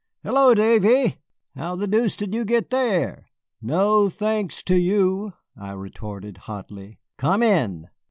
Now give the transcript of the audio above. "Halloo, Davy, how the deuce did you get there?" "No thanks to you," I retorted hotly. "Come in."